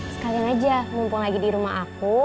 sekalian aja ngumpul lagi di rumah aku